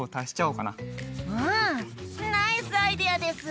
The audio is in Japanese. うんナイスアイデアです！